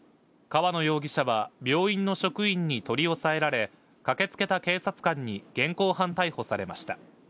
川野容疑者は病院の職員に取り押さえられ、駆けつけた警察官に現行犯逮捕されました。